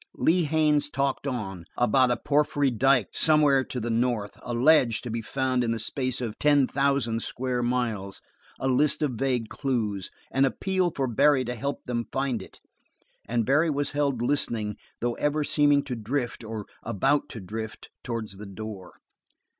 Lee Haines talked on about a porphyry dyke somewhere to the north a ledge to be found in the space of ten thousand square miles a list of vague clues an appeal for Barry to help them find it and Barry was held listening though ever seeming to drift, or about to drift, towards the door.